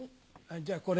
じゃこれ。